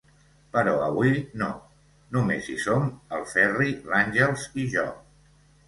Però avui no només hi som el Ferri, l'Àngels i jo.